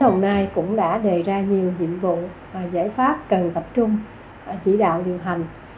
đồng nai cũng đã đề ra nhiều nhiệm vụ giải pháp cần tập trung chỉ đạo điều hành